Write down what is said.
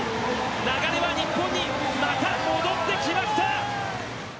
流れは日本にまた戻ってきました！